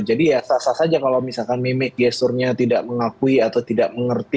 jadi ya sah sah saja kalau misal mimik gesturnya tidak mengakui atau tidak mengerti